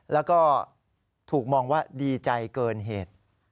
แล้วก็ถูกมองว่าดีใจเกินเหตุ